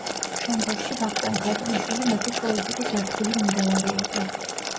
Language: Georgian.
შემდეგში ვახტანგ ბატონიშვილი მეფის პოლიტიკის ერთგული მიმდევარი იყო.